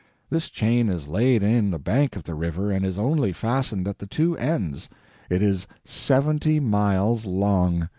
This chain is laid in the bed of the river and is only fastened at the two ends. It is seventy miles long.